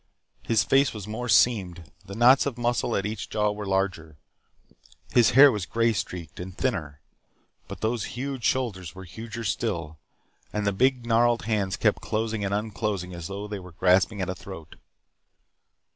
His face was more seamed. The knots of muscle at each jaw were larger. His hair was gray streaked and thinner. But those huge shoulders were huger still, and the big gnarled hands kept closing and unclosing as though they were grasping at a throat.